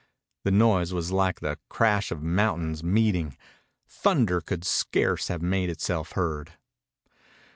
The noise was like the crash of mountains meeting. Thunder could scarce have made itself heard.